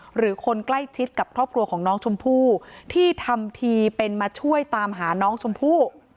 หรือคนใกล้ชิดกับครอบครัวของน้องชมพู่ที่ทำทีเป็นมาช่วยตามหาน้องชมพู่